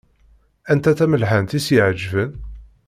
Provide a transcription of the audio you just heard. Anta tamelḥant i s-iɛeǧben?